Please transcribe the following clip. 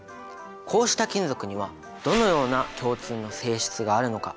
こうした金属にはどのような共通の性質があるのか？